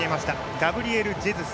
ガブリエル・ジェズス。